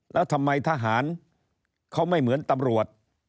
แล้วทำไมทหารเขาไม่เหมือนตำรวจ